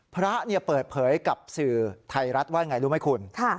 พระเนี่ยเปิดเผยกับสื่อไทยรัฐว่าไงรู้ไหมคุณ